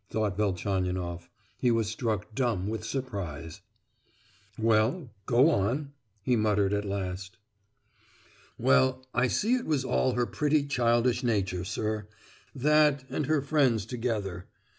thought Velchaninoff; he was struck dumb with surprise. "Well, go on!" he muttered at last. "Well, I see it was all her pretty childish nature, sir—that and her friends together.